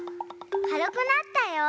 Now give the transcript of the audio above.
かるくなったよ！